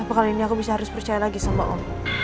apa kali ini aku bisa harus percaya lagi sama om